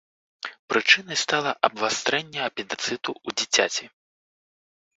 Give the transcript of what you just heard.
Прычынай стала абвастрэнне апендыцыту ў дзіцяці.